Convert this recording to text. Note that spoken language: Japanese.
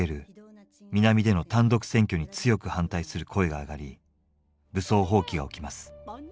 南での単独選挙に強く反対する声が上がり武装蜂起が起きます。